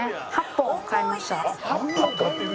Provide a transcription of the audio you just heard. ８本買いました。